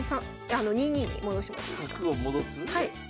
はい。